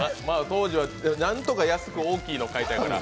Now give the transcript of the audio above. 当時はなんとか安くて大きいのを買いたいから。